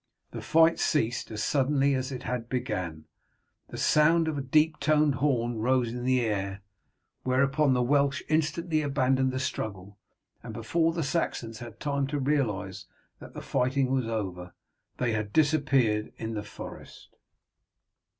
The fight ceased as suddenly as it began. The sound of a deep toned horn rose in the air, whereupon the Welsh instantly abandoned the struggle, and before the Saxons had time to realize that the fighting was over, they had disappeared in the forest.